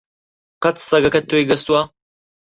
قەت سەگەکەت تۆی گەستووە؟